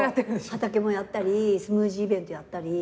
畑もやったりスムージーイベントやったり。